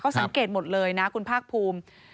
สังเกตหมดเลยนะคุณภาคภูมิ